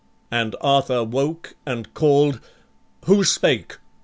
and Arthur woke and call'd, "Who spake?